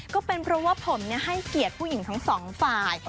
ก็เป็นเพราะว่าผมให้เกียรติผู้หญิงทั้งสองฝ่าย